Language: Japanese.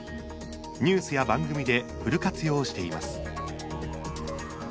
ニュースや番組でフル活用しています。